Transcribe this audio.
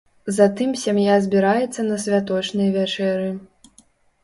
Затым сям'я збіраецца на святочнай вячэры.